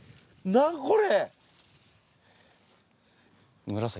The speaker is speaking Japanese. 何これ？